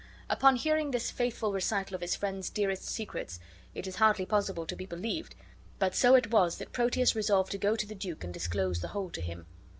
Upon hearing this faithful recital of his friend's dearest secrets, it is hardly possible to be believed, but so it was that Proteus resolved to go to the duke and disclose the whole to him.